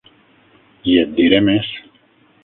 I et diré més.